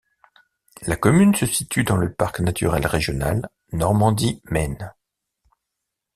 La commune se situe dans le parc naturel régional Normandie-Maine.